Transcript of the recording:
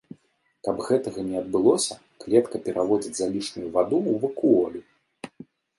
Каб гэтага не адбылося, клетка пераводзіць залішнюю ваду ў вакуолю.